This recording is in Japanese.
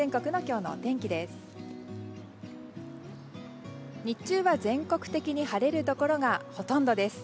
日中は全国的に晴れるところがほとんどです。